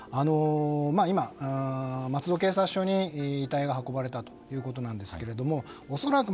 今、松戸警察署に遺体が運ばれたということなんですが恐らく